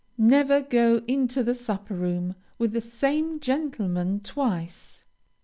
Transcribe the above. Never go into the supper room with the same gentleman twice.